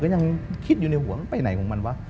ยังคิดอยู่ในหัวไปไหนของมันวะ